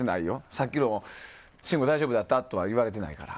さっきの、信五は大丈夫だった？とは言われてないから。